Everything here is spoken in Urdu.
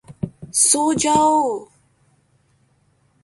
سو جاؤ!